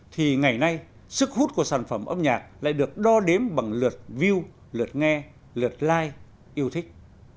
thì ngày nay sức hút của sản phẩm âm nhạc lại được đo đếm bằng lượt view lượt nghe lượt like yêu thích